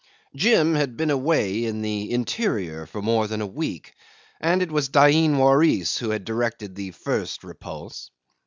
Jim had been away in the interior for more than a week, and it was Dain Waris who had directed the first repulse.